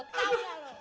tau gak lo